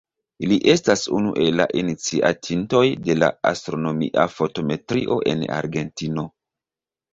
Li estas unu el la iniciatintoj de la astronomia fotometrio en Argentino.